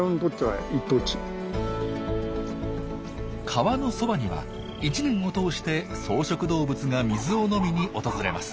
川のそばには一年を通して草食動物が水を飲みに訪れます。